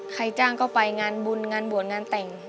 ใครจ้างก็ไปงานบุญงานบวชงานแต่ง